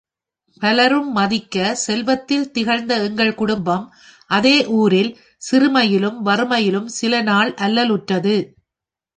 பலரும் மதிக்க, செல்வத்தில் திகழ்ந்த எங்கள்ம் குடும்பம், அதே ஊரில் சிறுமையிலும் வறுமையிலும் சில நாள் அல்லலுற்றது.